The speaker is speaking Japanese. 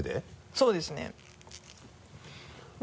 そうですね。